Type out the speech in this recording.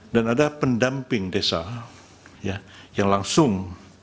dan ada pendamping desa yang langsung